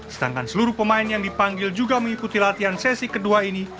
sedangkan seluruh pemain yang dipanggil juga mengikuti latihan sesi kedua ini